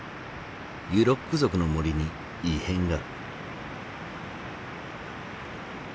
ユロック族の森に異変が。